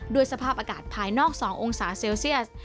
สภาพอากาศภายนอก๒องศาเซลเซียส